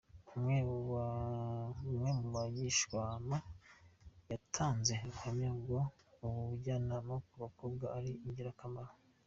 Umwe mu bagishwanama yatanze ubuhamya ko ubujyanama ku bakobwa ari ingirakamaro.